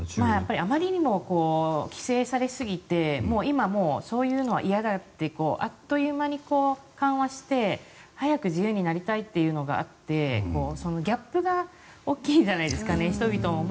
あまりにも規制されすぎて今、そういうのは嫌だってあっという間に緩和して早く自由になりたいというのがあってギャップがあるんですよ。